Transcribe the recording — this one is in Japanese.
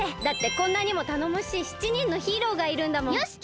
だってこんなにもたのもしい７人のヒーローがいるんだもん！